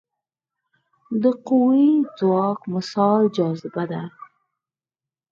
د قوي ځواک مثال جاذبه ده.